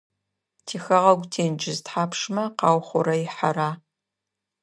Тихэгъэгу тенджыз тхьапшмэ къаухъурэихьэра?